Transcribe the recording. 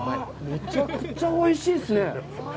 めちゃくちゃおいしいっすね。